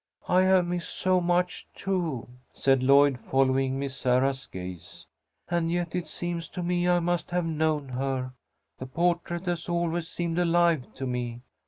"I have missed so much, too," said Lloyd, following Miss Sarah's gaze. "And yet it seems to me I must have known her. The portrait has always seemed alive to me.